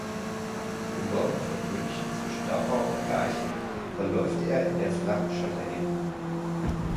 Im Norden von München zwischen Dachau und Garching verläuft er in der flachen Schotterebene.